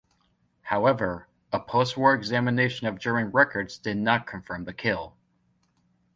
However, a post-war examination of German records did not confirm the kill.